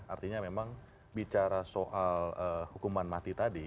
artinya memang bicara soal hukuman mati tadi